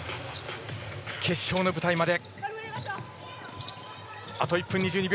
決勝の舞台まであと１分２２秒。